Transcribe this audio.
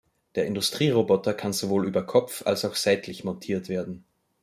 Der Industrieroboter kann sowohl über Kopf, als auch seitlich montiert werden.